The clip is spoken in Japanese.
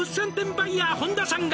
バイヤー本田さんが」